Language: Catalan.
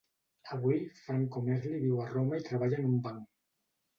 Avui Franco Merli viu a Roma i treballa en un banc.